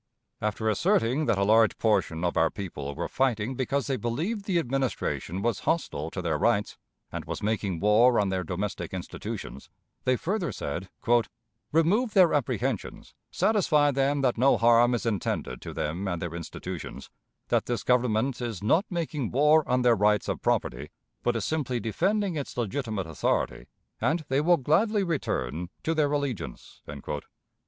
After asserting that a large portion of our people were fighting because they believed the Administration was hostile to their rights, and was making war on their domestic institutions, they further said: "Remove their apprehensions; satisfy them that no harm is intended to them and their institutions; that this Government is not making war on their rights of property, but is simply defending its legitimate authority, and they will gladly return to their allegiance."